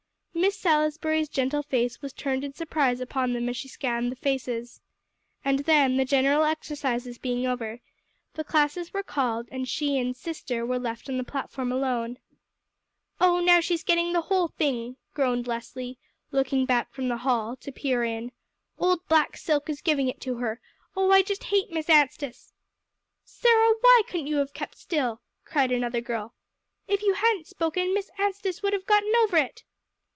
Miss Salisbury's gentle face was turned in surprise upon them as she scanned the faces. And then, the general exercises being over, the classes were called, and she and "sister" were left on the platform alone. "Oh, now she's getting the whole thing!" groaned Leslie, looking back from the hall, to peer in. "Old black silk is giving it to her. Oh, I just hate Miss Anstice!" "Sarah, why couldn't you have kept still?" cried another girl. "If you hadn't spoken, Miss Anstice would have gotten over it."